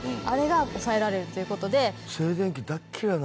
あれが抑えられるということで。